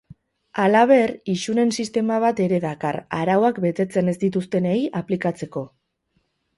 Halaber, isunen sistema bat ere dakar, arauak betetzen ez dituztenei aplikatzeko.